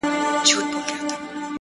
o چي ستا تر تورو غټو سترگو اوښكي وڅڅيږي؛